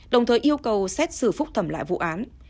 đồng thời yêu cầu xét xử phúc thẩm lại vụ án